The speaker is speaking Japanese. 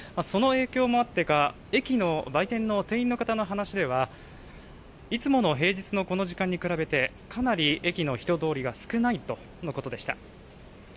その影響もあってか、駅の売店の店員の方の話では、いつもの平日のこの時間に比べて、かなり駅の人通りが少ないとのことでした。